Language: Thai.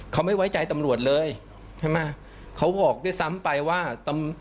เขาไม่ไว้ใจตำรวจเลยใช่ไหมเขาบอกด้วยซ้ำไปว่าตำ